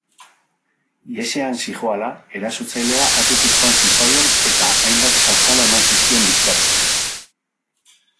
Ihesean zihoala, erasotzailea atzetik joan zitzaion eta hainbat sastada eman zizkion bizkarrean.